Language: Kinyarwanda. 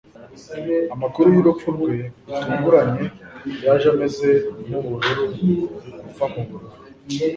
amakuru yurupfu rwe rutunguranye yaje ameze nkubururu buva mubururu